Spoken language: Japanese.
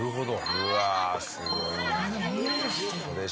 うわすごいね。